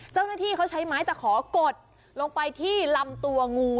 เจ้าหน้าที่เขาใช้ไม้ตะขอกดลงไปที่ลำตัวงู